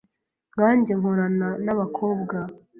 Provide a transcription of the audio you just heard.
Nkange nkorana n’abakobwa